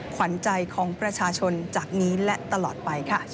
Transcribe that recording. ขวัญใจของประชาชนจากนี้และตลอดไปค่ะ